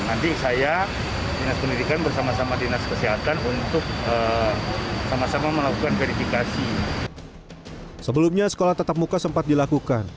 nanti saya dinas pendidikan bersama sama dinas kesehatan untuk sama sama melakukan verifikasi